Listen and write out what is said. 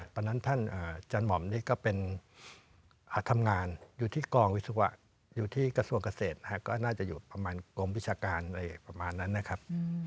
ตอนนั้นท่านจันหม่อมได้ทำงานอยู่ที่กองวิศวกรรมกากอยู่ที่กสัวเกษตรก็น่าจะอยู่ประมาณกรมวิชาการประมาณนั้นอ่ะนะครับ